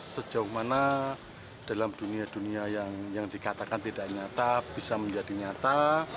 sejauh mana dalam dunia dunia yang dikatakan tidak nyata bisa menjadi nyata